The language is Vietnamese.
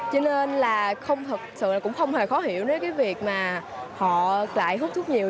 cho nên là không thật sự là cũng không hề khó hiểu đến cái việc mà họ lại hút thuốc nhiều